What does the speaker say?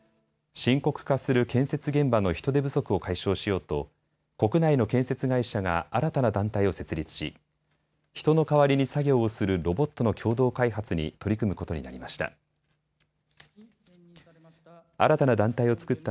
深刻化する建設現場の人手不足を解消しようと国内の建設会社が新たな団体を設立し人の代わりに作業をするロボットの共同開発に取り組むことになりました。